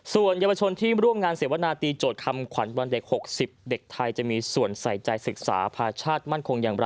ส่วนเยอะบัญชนที่ร่วมงานเศรษฐ์วัฒนาตรีจดคำขวัญบรรเดก๖๐เด็กไทยจะมีส่วนใส่ใจศึกษาอภาชาฯมั่นคงอย่างไร